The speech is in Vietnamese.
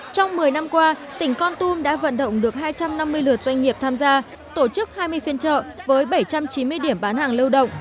trong một mươi năm qua tỉnh con tum đã vận động được hai trăm năm mươi lượt doanh nghiệp tham gia tổ chức hai mươi phiên trợ với bảy trăm chín mươi điểm bán hàng lưu động